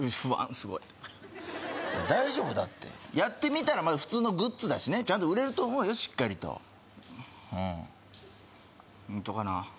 すごい大丈夫だってやってみたら普通のグッズだしねちゃんと売れると思うよしっかりとうん本当かな？